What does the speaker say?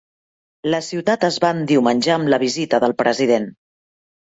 La ciutat es va endiumenjar amb la visita del president.